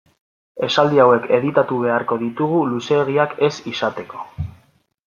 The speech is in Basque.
Esaldi hauek editatu beharko ditugu luzeegiak ez izateko.